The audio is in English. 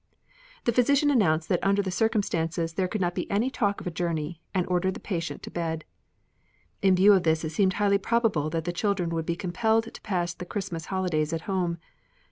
The physician announced that under the circumstances there could not be any talk of a journey and ordered the patient to bed. In view of this it seemed highly probable that the children would be compelled to pass the Christmas holidays at home.